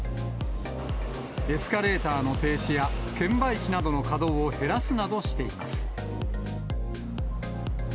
エスカレーターの停止や、券売機などの稼働を減らすなどしています。